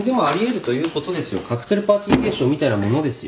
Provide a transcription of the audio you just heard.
カクテルパーティー現象みたいなものですよ。